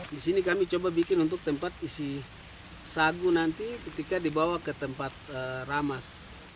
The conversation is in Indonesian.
di sini kami coba bikin untuk tempat isi sagu nanti ketika dibawa ke tempat ramas